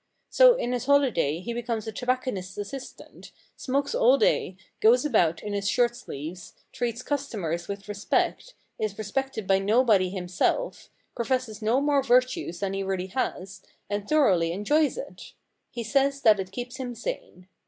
So in his holiday he becomes a tobacconist's assistant, smokes all day, goes about in his shirt sleeves, treats customers with respect, is respected by nobody himself, professes no more virtues than he really has, and thoroughly enjoys it. He says that it keeps him sane.